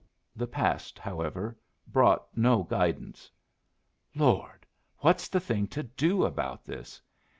The past, however, brought no guidance. "Lord, what's the thing to do about this?